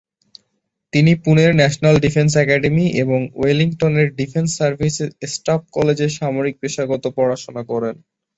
তিনি পুনের National Defence Academy এবং ওয়েলিংটনের ডিফেন্স সার্ভিসেস স্টাফ কলেজে সামরিক পেশাগত পড়াশোনা করেন।